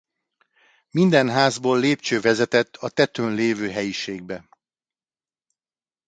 Minden házból lépcső vezetett a tetőn lévő helyiségbe.